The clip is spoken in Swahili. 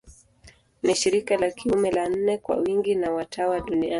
Ni shirika la kiume la nne kwa wingi wa watawa duniani.